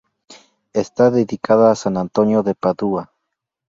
Está dedicada a San Antonio de Padua.